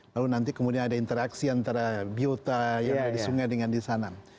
lalu nanti kemudian ada interaksi antara biota yang ada di sungai dengan di sana